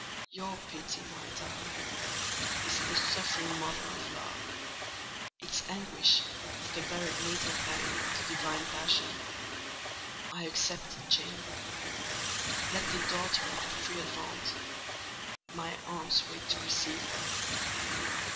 Your pity, my darling, is the suffering mother of love: its anguish is the very natal pang of the divine passion. I accept it, Jane; let the daughter have free advent—my arms wait to receive her."